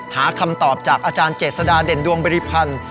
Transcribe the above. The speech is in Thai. หาคำตอบจากอาจารย์เจษฎาเด่นดวงบริพันธ์